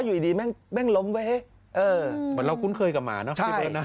อยู่ดีแม่งแม่งล้มไว้เออเหมือนเรากุ้นเคยกับหมาเนอะใช่